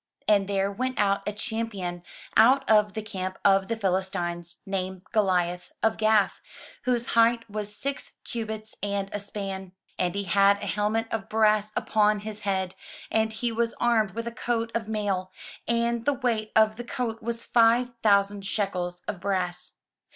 And there went out a champion out of the camp of the Philis tines, named Goliath, of Gath, whose height was six cubits and a span. And he had an helmet of brass upon his head, and he was armed with a coat of mail; and the weight of the coat was five thousand shekels of brass.